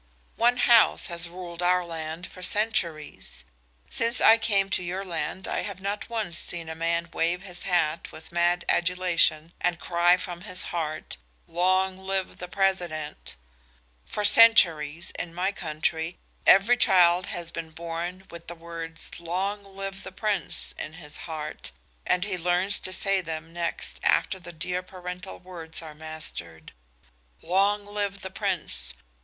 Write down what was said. "One house has ruled our land for centuries. Since I came to your land I have not once seen a man wave his hat with mad adulation and cry from his heart: 'Long live the President!' For centuries, in my country, every child has been born with the words: 'Long live the Prince!' in his heart, and he learns to say them next after the dear parental words are mastered. 'Long live the Prince!'